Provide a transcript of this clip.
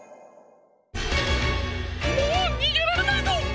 もうにげられないぞ！